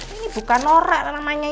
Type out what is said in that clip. ini bukan norak namanya